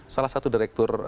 salah satu direktur